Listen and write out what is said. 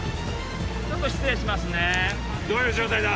ちょっと失礼しますねどういう状態だ？